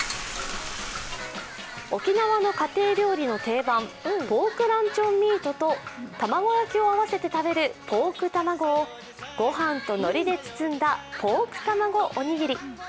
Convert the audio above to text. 沖縄の家庭料理の定番ポークランチョンミートと玉子焼きを合わせて食べるポークたまごをご飯とのりで包んだポークたまごおにぎり。